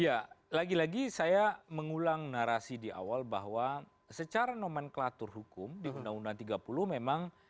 ya lagi lagi saya mengulang narasi di awal bahwa secara nomenklatur hukum di undang undang tiga puluh memang